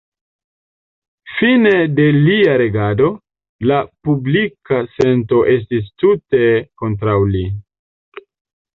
Fine de lia regado, la publika sento estis tute kontraŭ li.